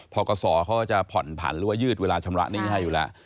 กศเขาจะผ่อนผันหรือว่ายืดเวลาชำระหนี้ให้อยู่แล้ว